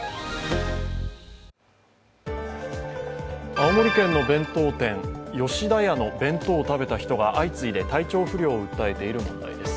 青森県の弁当店吉田屋の弁当を食べた人が相次いで体調不良を訴えている問題です。